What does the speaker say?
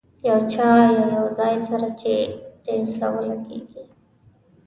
یو چا یا یو ځای سره چې دې زړه ولګېږي.